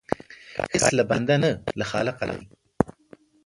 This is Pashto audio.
ښایست له بنده نه، له خالقه دی